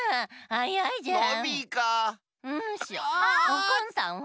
おこんさんは？